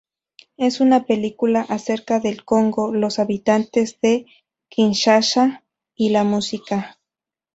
Es una película acerca del Congo, los habitantes de Kinshasa y la música.